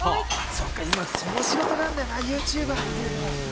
そうか今その仕事があんだよなＹｏｕＴｕｂｅｒ。